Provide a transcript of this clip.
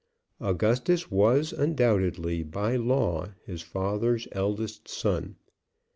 Augustus was, undoubtedly, by law his father's eldest son.